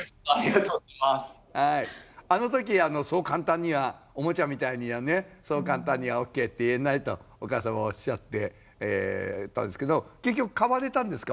あのときそう簡単にはおもちゃみたいにはねそう簡単にはＯＫって言えないとお母様おっしゃってたんですけど結局買われたんですか？